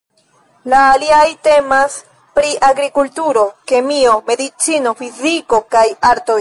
La aliaj temas pri Agrikulturo, Kemio, Medicino, Fiziko kaj Artoj.